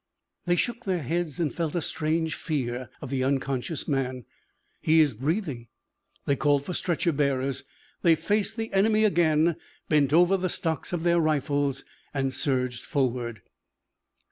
They shook their heads and felt a strange fear of the unconscious man. "He is breathing." They called for stretcher bearers. They faced the enemy again, bent over on the stocks of their rifles, surged forward.